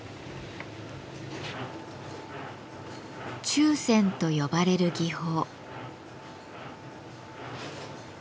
「注染」と呼ばれる技法。